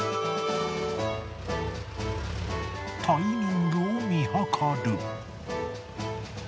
タイミングを見図る。